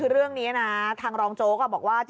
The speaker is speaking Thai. เรื่องนี้ทางรองโจ๊กก็บอกว่า